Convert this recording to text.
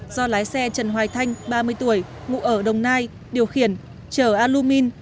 do lái xe trần hoài thanh ba mươi tuổi ngụ ở đồng nai điều khiển chở alumin